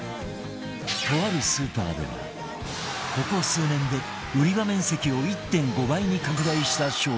とあるスーパーではここ数年で売り場面積を １．５ 倍に拡大した商品